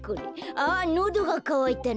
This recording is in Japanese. あのどがかわいたな。